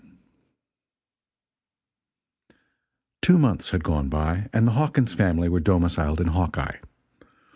Two months had gone by and the Hawkins family were domiciled in Hawkeye.